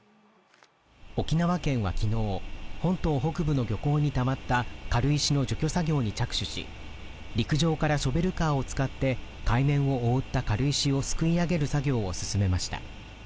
沖縄県は昨日、本島北部の漁港にたまった軽石の除去作業に着手し陸上からショベルカーを使って海面を覆った軽石をすくい上げる作業を進めました。